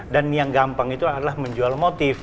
dan yang gampang itu adalah menjual motif